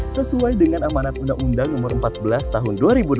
sesuai dengan amanat undang undang no empat belas tahun dua ribu delapan belas